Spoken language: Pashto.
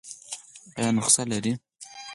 ایا نسخه لرئ؟